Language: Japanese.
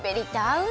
うん！